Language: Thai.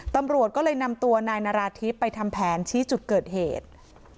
ตำรวจก็เลยนำตัวนายนาราธิบไปทำแผนชี้จุดเกิดเหตุ